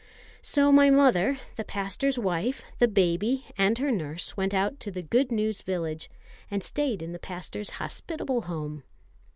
So my mother, the pastor's wife, the baby, and her nurse, went out to the Good News Village, and stayed in the pastor's hospitable home.